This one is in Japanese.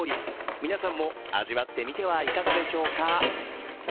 皆さんも味わってみてはいかがでしょうか？